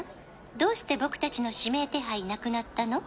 「どうして僕達の指名手配なくなったの？」